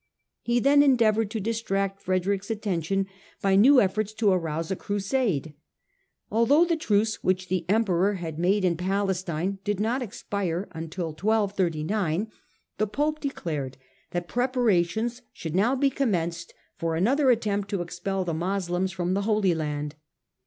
He then endeavoured to distract Frederick's attention by new efforts to arouse a Crusade. Although the truce which the Emperor had made in Palestine did not expire until 1239, the Pope declared that preparations should now be commenced for another attempt to expel the Moslems from the Holy Land.